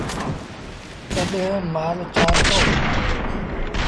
تڏهيݩ مآل چآرتو۔